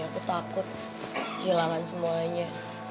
aku takut kehilangan semuanya